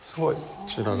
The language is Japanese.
こちらが。